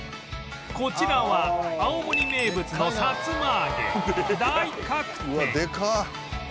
こちらは青森名物のさつま揚げ大角天